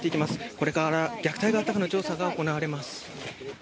これから虐待があったかの調査が行われます。